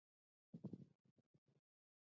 افغانستان د انګور د پلوه ځانته ځانګړتیا لري.